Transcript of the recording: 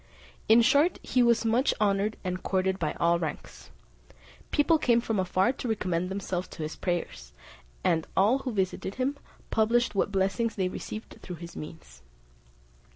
In short, he was much honoured and courted by all ranks. People came from afar to recommend themselves to his prayers; and all who visited him, published what blessings they received through his means.